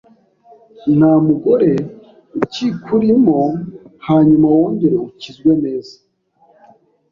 nta mugore ukikurimo hanyuma wongere ukizwe neza